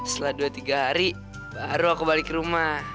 setelah dua tiga hari baru aku balik ke rumah